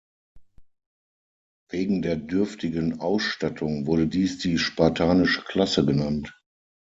Wegen der dürftigen Ausstattung wurde dies die „spartanische Klasse“ genannt.